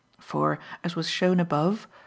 For, as was shown above (Q.